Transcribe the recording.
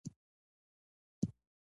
په سوغاتونو او رشوتونو ولګولې.